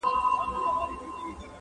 چي په کلي کي غوايي سره په جنګ سي.!